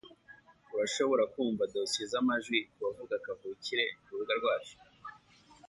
Urashobora kumva dosiye zamajwi kubavuga kavukire kurubuga rwacu.